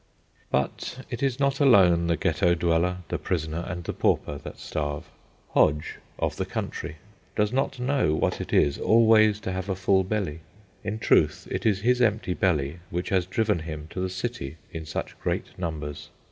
But it is not alone the Ghetto dweller, the prisoner, and the pauper that starve. Hodge, of the country, does not know what it is always to have a full belly. In truth, it is his empty belly which has driven him to the city in such great numbers.